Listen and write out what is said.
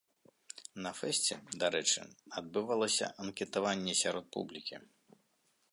На фэсце, дарэчы, адбывалася анкетаванне сярод публікі.